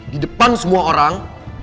didepan semua orang